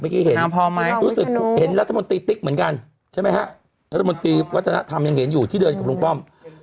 เพราะครูเห็นรัฐมนตรีติ๊กเหมือนกันรัฐมนตรีวัตนธรรมอยู่ที่เดินกวันคลุมผ้อม